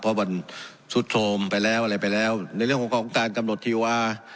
เพราะมันซุดโทรมไปแล้วอะไรไปแล้วในเรื่องของการกำหนดทีวา